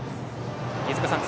飯塚さん